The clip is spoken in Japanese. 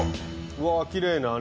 うわきれいなね